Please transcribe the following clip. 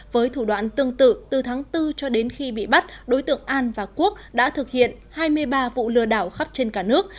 với thủ đoạn tương tự từ tháng bốn cho đến khi bị bắt đối tượng an và quốc đã thực hiện hai mươi ba vụ lừa đảo khắp trên cả nước